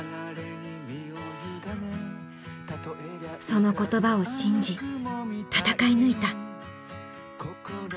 その言葉を信じ戦い抜いた。